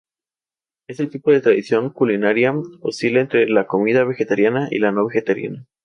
Este tipo de tradición culinaria oscila entre la comida vegetariana y la no vegetariana.